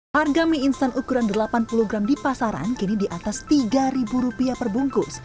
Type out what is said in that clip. harga mie instan ukuran delapan puluh gram di pasaran kini di atas rp tiga perbungkus